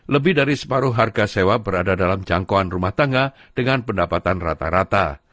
lebih dari separuh harga sewa berada dalam jangkauan rumah tangga dengan pendapatan rata rata